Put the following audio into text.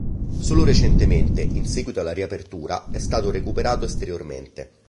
Solo recentemente, in seguito alla riapertura, è stato recuperato esteriormente.